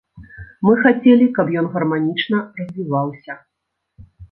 Мы хацелі, каб ён гарманічна развіваўся.